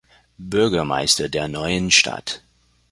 Bürgermeister der neuen Stadt.